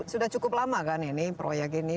sudah cukup lama kan ini proyek ini